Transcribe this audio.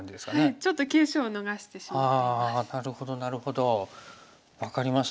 ちょっと急所を逃してしまっています。